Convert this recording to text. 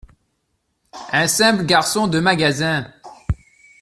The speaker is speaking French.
Un simple garçon de magasin …